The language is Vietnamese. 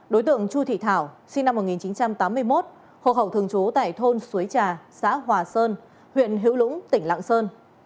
đối tượng chu thị thảo sinh năm một nghìn chín trăm tám mươi một hộ khẩu thường trú tại thôn suối trà xã hòa sơn huyện hữu lũng tỉnh lạng sơn